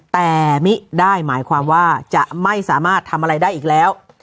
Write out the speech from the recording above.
แต่มิได้หมายความว่าจะไม่สามารถทำอะไรได้อีกแล้ว